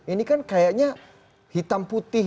ini kan kayaknya hitam putih